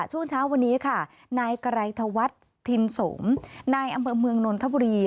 ช่วงเช้าวันนี้ค่ะนายไกรธวัฒน์ทินสมนายอำเภอเมืองนนทบุรี